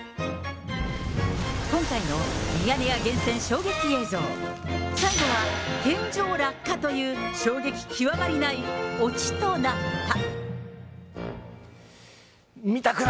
今回のミヤネ屋厳選衝撃映像、最後は天井落下という、衝撃極まりないおちとなった。